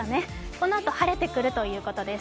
このあと晴れてくるということです。